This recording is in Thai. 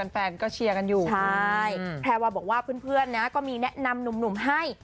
แฟนก็เชียร์กันอยู่ใช่แพรวาบอกว่าเพื่อนนะก็มีแนะนำหนุ่มให้